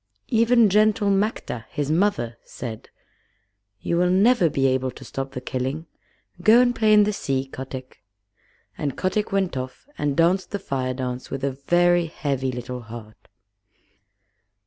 Even gentle Matkah, his mother, said: "You will never be able to stop the killing. Go and play in the sea, Kotick." And Kotick went off and danced the Fire dance with a very heavy little heart.